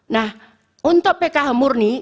nah untuk pkh murni